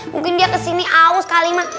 mungkin dia kesini aus kali mak